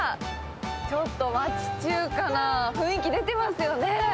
ちょっと町中華な雰囲気出てますよね。